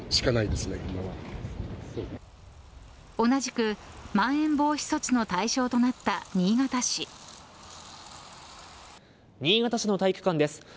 同じくまん延防止措置の対象となった新潟市の体育館です。